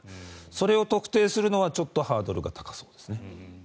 それを特定するのは、ちょっとハードルが高そうですね。